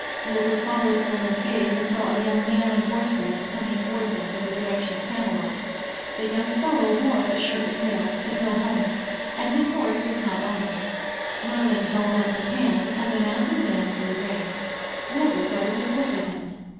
Wilbur followed Merlin's gaze and saw a young man on horseback coming toward them from the direction of Camelot. The young fellow wore a shirt of mail but no helmet, and his horse was not armored. Merlin held up his hand and the mounted man drew rein. Wilbur got a good look at him.